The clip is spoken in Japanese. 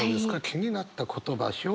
気になった言葉表現。